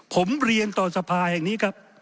ผมเรียนต่อสภาแห่งนี้ครับ